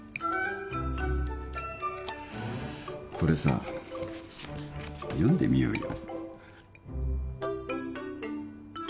これさ読んでみようよ